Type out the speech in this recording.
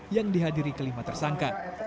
yang dihadiri kelima tersangka